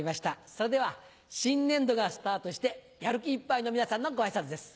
それでは新年度がスタートしてやる気いっぱいの皆さんのご挨拶です。